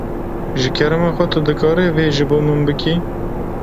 Ji kerema xwe tu dikarî vê ji bo min bikî?